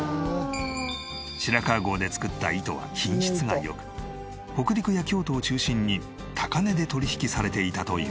白川郷で作った糸は品質が良く北陸や京都を中心に高値で取引されていたという。